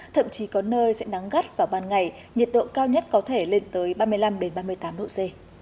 thậm chí có nơi sẽ nắng gắt vào ban ngày nhiệt độ cao nhất có thể lên tới ba mươi năm ba mươi tám độ c